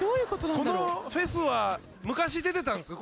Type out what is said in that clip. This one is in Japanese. このフェスは昔出てたんすか？